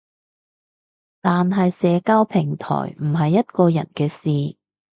但係社交平台唔係一個人嘅事